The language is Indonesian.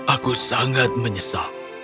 aku sangat menyesal